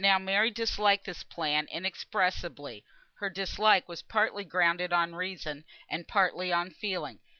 Now Mary disliked this plan inexpressibly; her dislike was partly grounded on reason, and partly on feeling.